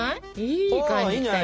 いい感じきたよ！